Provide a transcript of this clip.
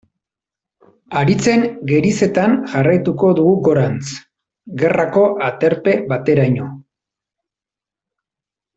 Haritzen gerizetan jarraituko dugu gorantz, gerrako aterpe bateraino.